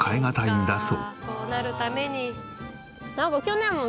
「こうなるために」